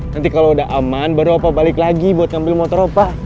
nanti kalau udah aman baru apa balik lagi buat ngambil motor apa